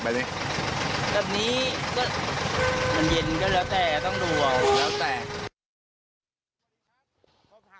แบบนี้มันเย็นก็แล้วแต่ต้องดูเอา